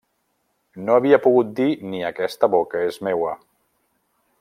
No havia pogut dir ni aquesta boca és meua.